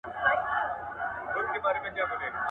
تر وېش ئې په چور خوشاله دئ.